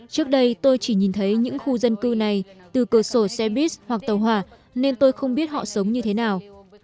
trước đây tôi chỉ nhìn thấy những khu dân cư này từ cửa sổ xe buýt hoặc tàu hỏa nên tôi không biết họ sống như thế nào